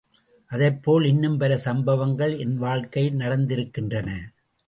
அதைப்போல இன்னும் பல சம்பவங்கள் என்வாழ்க்கையில் நடந்திருக்கின்றன.